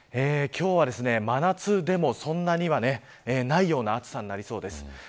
今日は真夏でも、そんなにはないような暑さになりそうです。